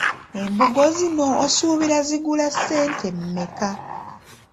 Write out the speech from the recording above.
Embugo zino osuubira zigula ssente mmeka?